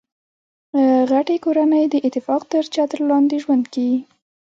غټۍ کورنۍ د اتفاق تر چتر لاندي ژوند کیي.